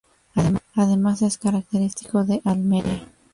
Además es característico de Almería.